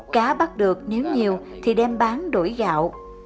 cá bắt được nếu nhiều thì đem bán đổi gạo